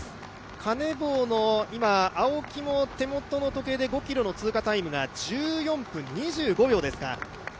カネボウの青木も５ｋｍの通過タイムが１４分２５秒ですか。